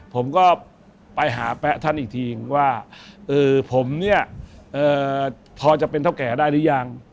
ผมก็ไปหาแป๊ะท่านอีกทีว่าผมเนี่ยพอจะเป็นเท่าแก่ได้หรือยัง